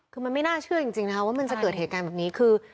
คือมันไม่น่าเชื่อจริงนะคะว่ามันจะเกิดเหตุการณ์แบบนี้คือ